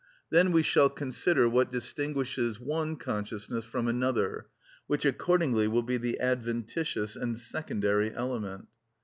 Then we shall consider what distinguishes one consciousness from another, which accordingly will be the adventitious and secondary element.